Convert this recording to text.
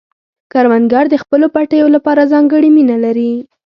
کروندګر د خپلو پټیو لپاره ځانګړې مینه لري